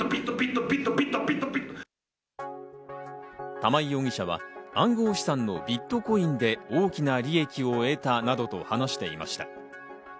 玉井容疑者は暗号資産のビットコインで大きな利益を得たなどと話していました。